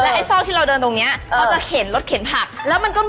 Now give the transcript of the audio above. ไอ้ซอกที่เราเดินตรงเนี้ยเขาจะเข็นรถเข็นผักแล้วมันก็มี